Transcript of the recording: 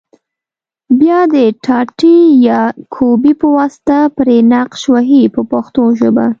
بیا د ټاټې یا کوبې په واسطه پرې نقش وهي په پښتو ژبه.